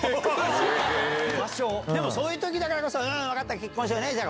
でもそういう時だからこそ「分かった結婚しようね。